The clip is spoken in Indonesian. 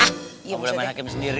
enggak boleh main hakim sendiri